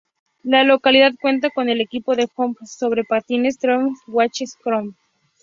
La localidad cuenta con el equipo de "hockey" sobre patines Tenerife Guanches Hockey Club.